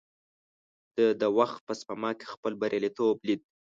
ده د وخت په سپما کې خپل برياليتوب ليد.